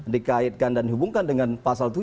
dikaitkan dan dihubungkan dengan pasal tujuh